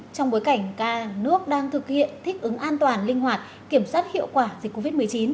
trong bối cảnh nước đang thực hiện thích ứng an toàn linh hoạt kiểm soát hiệu quả dịch covid một mươi chín